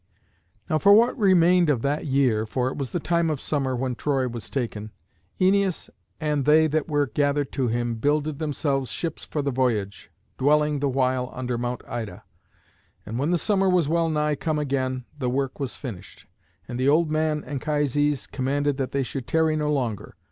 Now for what remained of that year (for it was the time of summer when Troy was taken), Æneas, and they that were gathered to him, builded themselves ships for the voyage, dwelling the while under Mount Ida; and when the summer was well nigh come again the work was finished, and the old man Anchises commanded that they should tarry no longer.